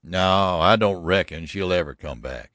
"No, I don't reckon much she'll ever come back.